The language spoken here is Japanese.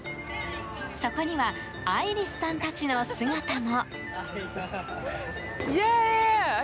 そこにはアイリスさんたちの姿も。